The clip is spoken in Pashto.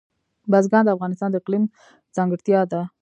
بزګان د افغانستان د اقلیم ځانګړتیا ده.